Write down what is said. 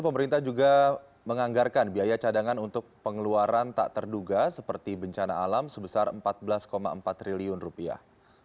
pemerintah juga menganggarkan biaya cadangan untuk pengeluaran tak terduga seperti bencana alam sebesar empat belas empat triliun rupiah